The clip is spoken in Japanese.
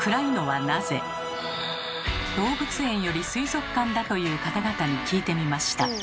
動物園より水族館だという方々に聞いてみました。